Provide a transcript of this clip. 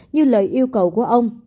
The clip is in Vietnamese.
như lời yêu cầu của ông